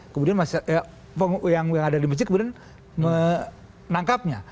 kemudian yang ada di masjid kemudian menangkapnya